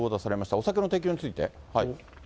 お酒の提供について？